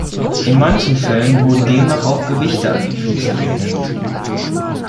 In manchen Fällen wurden demnach auch Gewichte an die Füße gehängt.